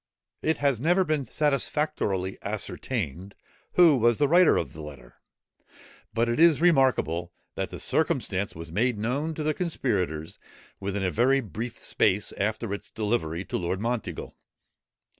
It has never been satisfactorily ascertained who was the writer of the letter; but it is remarkable that the circumstance was made known to the conspirators within a very brief space after its delivery to Lord Monteagle.